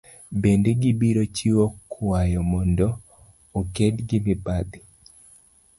Bende gibiro chiwo kwayo mondo oked gi mibadhi